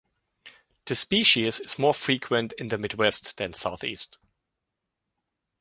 The species is more frequent in the midwest than southeast.